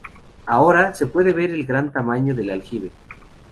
Ahora, se puede ver el gran tamaño del aljibe.